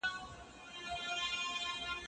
بشري وضعي قوانین د ژوند حق ته قایل دي.